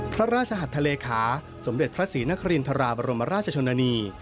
พระราชหัสทะเลขาสมเด็จพระศรีนครินทราบรมราชชนนานี